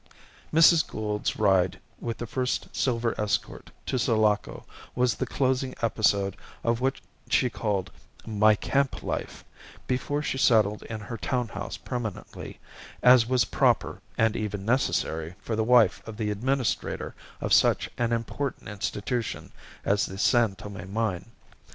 Mrs. Gould's ride with the first silver escort to Sulaco was the closing episode of what she called "my camp life" before she had settled in her town house permanently, as was proper and even necessary for the wife of the administrator of such an important institution as the San Tome mine.